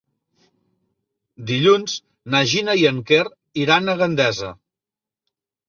Dilluns na Gina i en Quer iran a Gandesa.